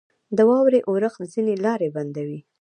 • د واورې اورښت ځینې لارې بندوي.